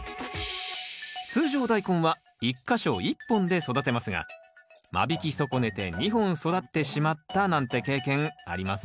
通常ダイコンは１か所１本で育てますが間引き損ねて２本育ってしまったなんて経験ありませんか？